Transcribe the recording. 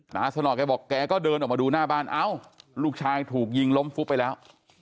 สนอกแกบอกแกก็เดินออกมาดูหน้าบ้านเอ้าลูกชายถูกยิงล้มฟุบไปแล้ว